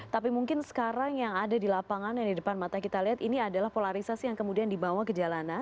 tapi mungkin sekarang yang ada di lapangan yang di depan mata kita lihat ini adalah polarisasi yang kemudian dibawa ke jalanan